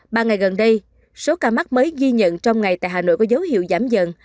ba ngày gần đây số ca mắc mới ghi nhận trong ngày tại hà nội có dấu hiệu giảm dần